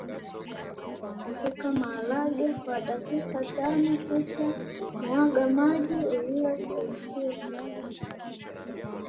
pika maharage kwa dakika tanokisha mwaga maji uliyochemshia